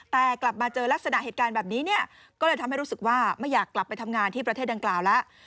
แต่กลับมาเจอลักษณะเหตุการณ์แบบนี้เนี่ยก็เลยทำให้รู้สึกว่าไม่อยากกลับไปทำงานที่ประเทศดังกล่าวแล้ว